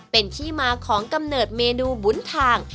เป็นที่มาของกำเนิดเมนูบุญทาง